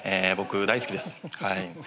僕大好きです。